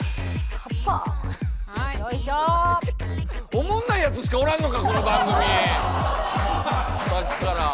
おもんないヤツしかおらんのかこの番組！！さっきから。